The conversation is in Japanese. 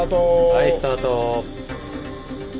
はいスタート。